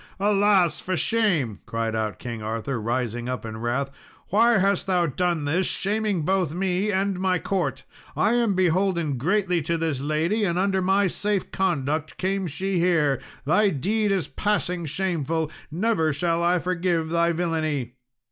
"Alas, for shame!" cried out King Arthur, rising up in wrath; "why hast thou done this, shaming both me and my court? I am beholden greatly to this lady, and under my safe conduct came she here; thy deed is passing shameful; never shall I forgive thy villainy."